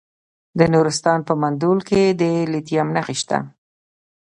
د نورستان په مندول کې د لیتیم نښې شته.